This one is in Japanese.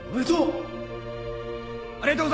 おめでとう！